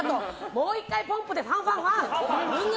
もう１回、ポンプでファンファンファン！